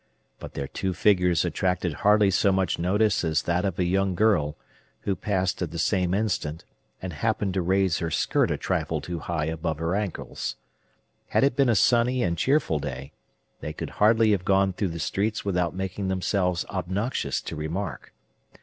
But their two figures attracted hardly so much notice as that of a young girl, who passed at the same instant, and happened to raise her skirt a trifle too high above her ankles. Had it been a sunny and cheerful day, they could hardly have gone through the streets without making themselves obnoxious to remark.